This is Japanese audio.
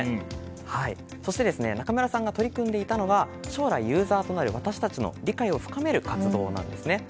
そして、中村さんが取り組んでいたのが将来ユーザーとなる私たちの理解を深める活動なんです。